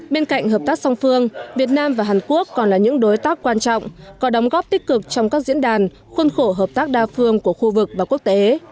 bên cạnh hợp tác song phương việt nam và hàn quốc còn là những đối tác quan trọng có đóng góp tích cực trong các diễn đàn khuôn khổ hợp tác đa phương của khu vực và quốc tế